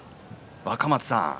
若松さん